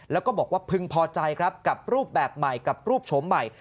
แล้วก็บอกว่าพึงพอใจครับกับรูปแบบใหม่กับรูปโฉมใหม่